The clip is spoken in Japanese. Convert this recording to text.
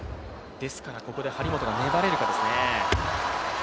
ここで張本が粘れるかですね。